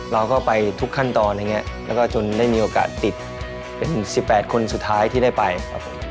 เราก็ไปทุกขั้นตอนอย่างนี้แล้วก็จนได้มีโอกาสติดเป็น๑๘คนสุดท้ายที่ได้ไปครับผม